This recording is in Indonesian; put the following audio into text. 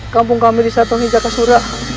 kampung kami disatangi jaga surah